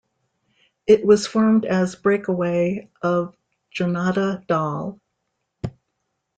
It was formed as breakaway of Janata Dal.